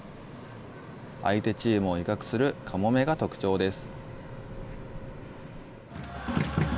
相手チームを威嚇するカモメが特徴です。